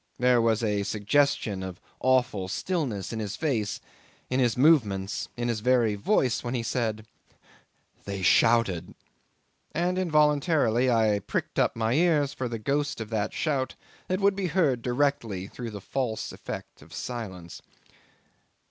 There was a suggestion of awful stillness in his face, in his movements, in his very voice when he said "They shouted" and involuntarily I pricked up my ears for the ghost of that shout that would be heard directly through the false effect of silence.